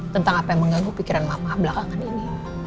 tentang apa yang mengganggu pikiran mama belakangan ini